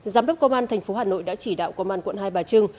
giám đốc công an tp hà nội đã chỉ đạo công an quận hai bà trưng